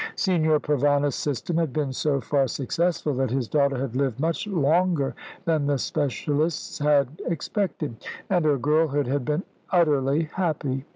Signor Provana's system had been so far successful that his daughter had lived much longer than the specialists had expected, and her girlhood had been utterly happy.